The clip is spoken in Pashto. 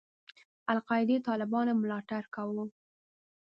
القاعدې د طالبانو ملاتړ کاوه.